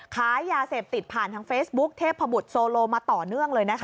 ค้ายาเสพติดผ่านทางเฟซบุ๊คเทพบุตรโซโลมาต่อเนื่องเลยนะคะ